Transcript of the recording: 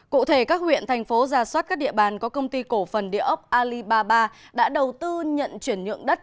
cụ thể các huyện thành phố ra soát các địa bàn có công ty cổ phần địa ốc alibaba đã đầu tư nhận chuyển nhượng đất